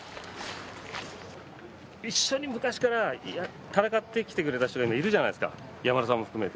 一緒に昔から戦ってきてくれた人いるじゃないですか、山田さん含めて。